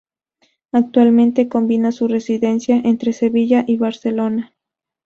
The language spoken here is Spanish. Actualmente combina su residencia entre Sevilla y Barcelona.